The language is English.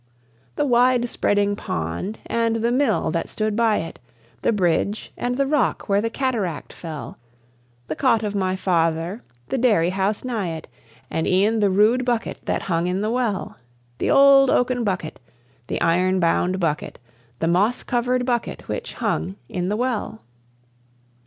The wide spreading pond, and the mill that stood by it, The bridge, and the rock where the cataract fell, The cot of my father, the dairy house nigh it, And e'en the rude bucket that hung in the well The old oaken bucket, the iron bound bucket, The moss covered bucket which hung in the well.